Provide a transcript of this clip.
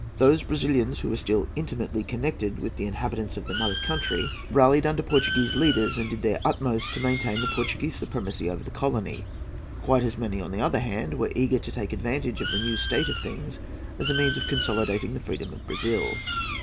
Those Brazilians who were still intimately connected with the inhabitants of the mother country rallied under Portuguese leaders, and did their utmost to maintain the Portuguese supremacy over the colony. Quite as many, on the other hand, were eager to take advantage of the new state of things as a means of consolidating the freedom of Brazil.